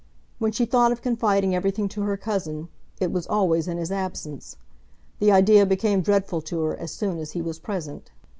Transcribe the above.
When she thought of confiding everything to her cousin, it was always in his absence. The idea became dreadful to her as soon as he was present.